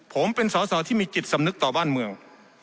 ผมเป็นสอสอที่มีจิตสำนึกต่อบ้านเมือง